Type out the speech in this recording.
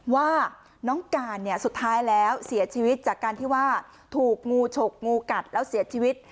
ว่าน้องการเนี่ยสุดท้ายแล้วเสียชีวิตจากการที่ว่าถูกงูฉกงูกัดแล้วเสียชีวิต